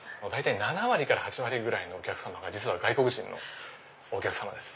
７割から８割ぐらいのお客さまが実は外国人のお客さまです。